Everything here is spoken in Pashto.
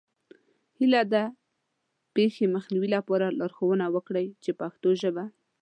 هیله ده د پېښې مخنیوي لپاره لارښوونه وکړئ په پښتو ژبه.